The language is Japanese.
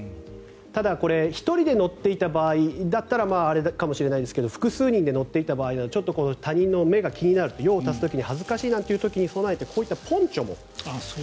ただこれ１人で乗っていた場合だったらあれかもしれないですが複数人で乗っていた場合は他人の目が気になる用を足す時に恥ずかしいなんていう時に備えてこういったポンチョも。